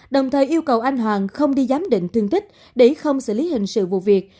đồng thời yêu cầu anh hoàng không đi giám định thương tích để không xử lý hình sự vụ việc